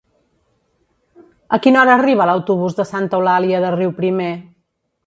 A quina hora arriba l'autobús de Santa Eulàlia de Riuprimer?